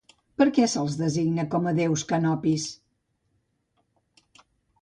Per què se'ls designa com "déus canopis"?